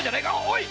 おい！